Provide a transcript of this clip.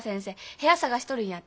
部屋探しとるんやって。